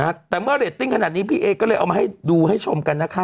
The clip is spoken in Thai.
แต่เมื่อเรตติ้งขนาดนี้พี่เอก็เลยเอามาให้ดูให้ชมกันนะคะ